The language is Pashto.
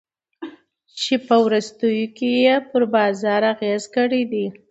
چي په وروستیو کي ئې پر بازار اغېز کړی دی.